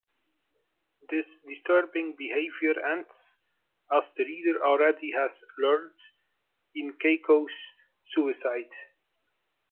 This disturbing behavior ends, as the reader already has learned, in Keiko's suicide.